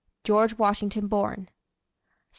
George Washington born. 1747.